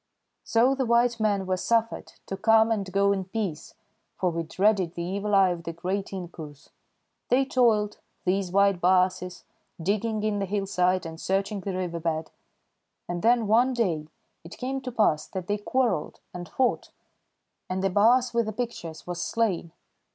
"So the white men were suffered to come and go in peace, for we dreaded the Evil Eye of the great inkoos. They toiled, these white baases, digging in the hillside and searching the riverbed; and then one day it came to pass that they quarrelled and fought, and the baas with the pictures was slain.